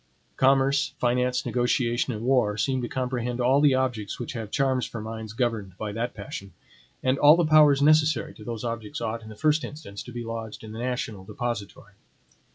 Commerce, finance, negotiation, and war seem to comprehend all the objects which have charms for minds governed by that passion; and all the powers necessary to those objects ought, in the first instance, to be lodged in the national depository.